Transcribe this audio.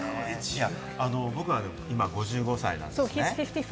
僕は今５５歳なんですね。